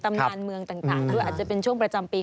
เมืองต่างด้วยอาจจะเป็นช่วงประจำปี